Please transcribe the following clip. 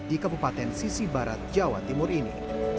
di kabupaten sisi barat jawa timur ini